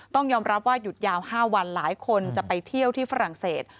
ต้องยอมรับว่าหยุดยาว๕วันหลายคนจะไปเที่ยวที่ฝรั่งเศส